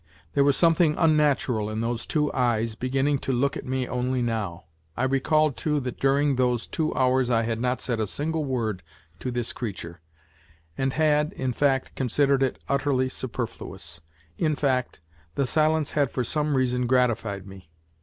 There was something unnatural in those two eyes, beginning to look at me only now. I recalled, too, that during those two hours I had not said a single word to this creature, and had, in fact, considered it utterly superfluous ; in fact, the silence had for some reason gratified me.